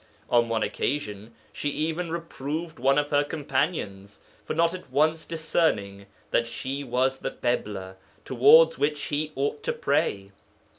On one occasion she even reproved one of her companions for not at once discerning that she was the Ḳibla towards which he ought to pray.